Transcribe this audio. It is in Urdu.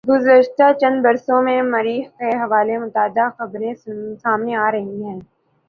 گزشتہ چند بر سوں میں مریخ کے حوالے متعدد خبریں سامنے آرہی ہیں